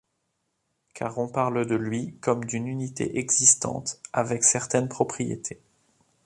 Car on parle de lui comme d'une unité existante, ayant certaines propriétés.